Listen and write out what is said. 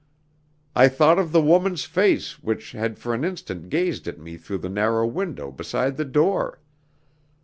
I thought of the woman's face which had for an instant gazed at me through the narrow window beside the door.